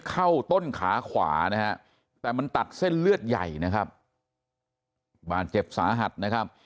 เข้าต้นขาขวานะฮะแต่มันตัดเส้นเลือดใหญ่นะครับบาดเจ็บสาหัสนะครับ